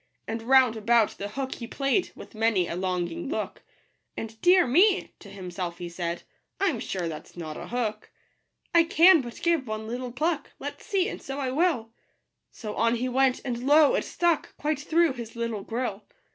And round about the hook he play'd, With many a longing look ; And " Dear me," to himself he said, " I'm sure that's not a hook. I can but give one little pluck : Let's see, and so I will." So on he went ; and lo ! it stuck Quite through his little gill.